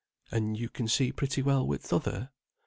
"And can you see pretty well with th' other?"